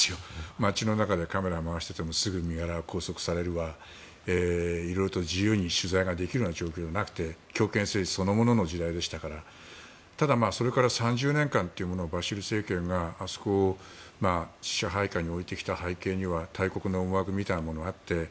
街の中でカメラを回していてもすぐ身柄を拘束されるわいろいろと自由に取材ができるような状況じゃなくて強権政治そのものの時代でしたからただ、それから３０年間バシル政権があそこを支配下に置いてきた背景には大国の思惑みたいなものがあって。